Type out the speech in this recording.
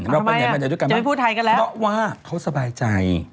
เราไปเรียนภาษาอังกฤษด้วยกันเพราะว่าเขาสบายใจ